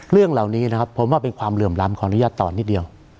เรื่องเหล่านี้นะครับผมว่าเป็นความเหลื่อมล้ำขออนุญาตต่อนิดเดียว